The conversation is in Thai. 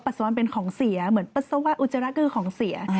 ปัจจุบันเป็นของเสียเหมือนปัจจุบันอุจจาระคือของเสีย